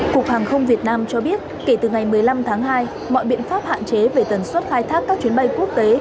cục hàng không việt nam cho biết kể từ ngày một mươi năm tháng hai mọi biện pháp hạn chế về tần suất khai thác các chuyến bay quốc tế